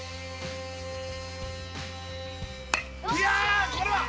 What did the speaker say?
いやこれは！